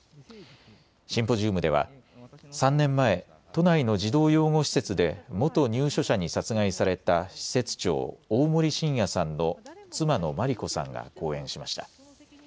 シンポジウムでは３年前、都内の児童養護施設で元入所者に殺害された施設長、大森信也さんの妻の真理子さんが講演しました。